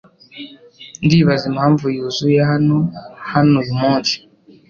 Ndibaza impamvu yuzuye hano hano uyumunsi.